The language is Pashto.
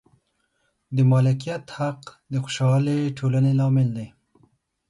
د مالکیت حق د خوشحالې ټولنې لامل دی.